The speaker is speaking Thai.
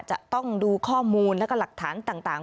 จะต้องดูข้อมูลแล้วก็หลักฐานต่าง